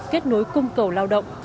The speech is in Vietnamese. kết nối cung cầu lao động